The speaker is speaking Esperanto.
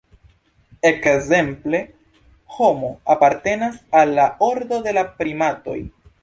Ekzemple, "Homo" apartenas al la ordo de la primatoj.